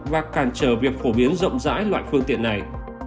và cản trở việc phổ biến rộng rãi loại phương tiện này